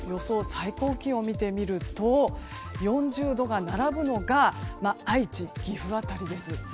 最高気温を見てみると４０度が並ぶのが愛知、岐阜辺りです。